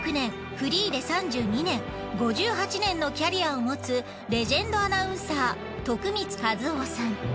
フリーで３２年５８年のキャリアを持つレジェンドアナウンサー徳光和夫さん。